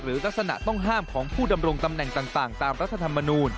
ลักษณะต้องห้ามของผู้ดำรงตำแหน่งต่างตามรัฐธรรมนูล